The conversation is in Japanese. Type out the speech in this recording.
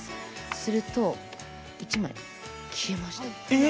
すると、１枚消えました。